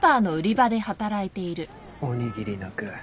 おにぎりの具。